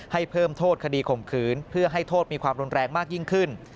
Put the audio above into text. ให้เพิ่มโทษคดีข่มขืนเพื่อให้โทษมีความรุนแรงมากยิ่งขึ้น